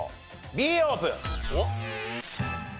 Ｂオープン。